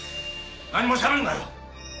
「何もしゃべるなよ！」